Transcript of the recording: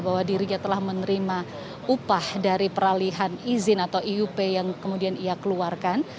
bahwa dirinya telah menerima upah dari peralihan izin atau iup yang kemudian ia keluarkan